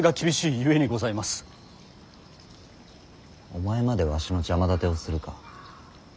お前までわしの邪魔だてをするか。